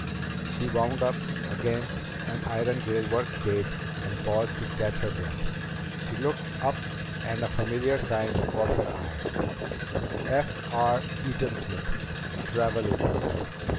She wound up against an iron grillwork gate and paused to catch her breath. She looked up and a familiar sign caught her eye: F. R. EATON SMITH TRAVEL AGENCY.